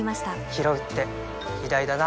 ひろうって偉大だな